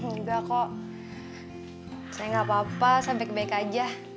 enggak kok saya gak apa apa saya baik baik aja